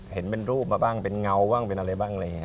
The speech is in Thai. เห็นเป็นรูปมาบ้างเป็นเงาะบ้างเป็นอะไรบ้าง